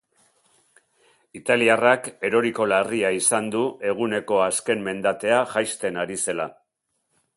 Italiarrak eroriko larria izan du eguneko azken mendatea jaisten ari zela.